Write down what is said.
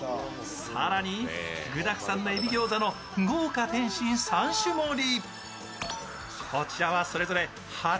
更に、具だくさんのえびギョーザの豪華点心３種盛り。